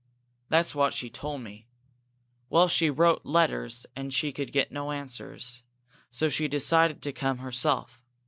"That's what she told me. Well, she wrote letters and she could get no answers. So she decided to come herself.